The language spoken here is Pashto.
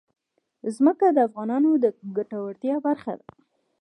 ځمکه د افغانانو د ګټورتیا برخه ده.